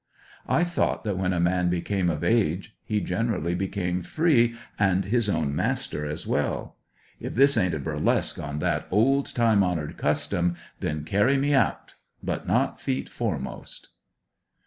I thought that w^hen a man became of age, he generally became free and his own master as well. If this ain't a burlesque on that old time honored custom, then carry me out — but not feet foremost.